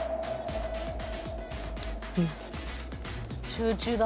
集中だ。